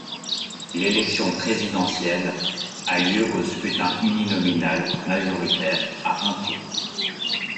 L'élection présidentielle a lieu au scrutin uninominal majoritaire à un tour.